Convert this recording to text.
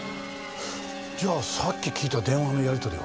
じゃあさっき聞いた電話のやり取りは。